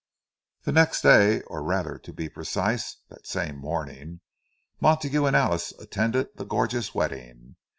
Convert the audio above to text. The next day—or rather, to be precise, that same morning—Montague and Alice attended the gorgeous wedding.